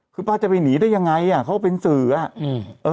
คือป๊าจะไปหนีได้ยังไงเขาเป็นสื่อ